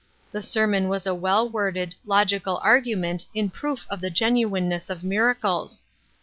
The sermon was a well worded, logical argument in proof of the genuineness of miracles